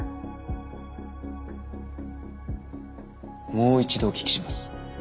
もう一度お聞きします。